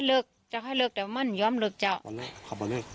สุดท้ายต่างฝ่ายต่างไปแจ้งความค่ะ